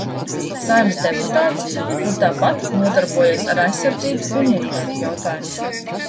Saeimas deputāts, kur tāpat nodarbojies ar aizsardzības un iekšlietu jautājumiem.